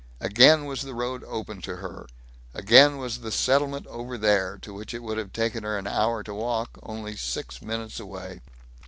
Again was the road open to her. Again was the settlement over there, to which it would have taken her an hour to walk, only six minutes away.